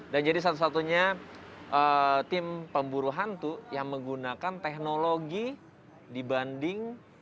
dan jadi satu satunya tim pemburu hantu yang menggunakan teknologi dibanding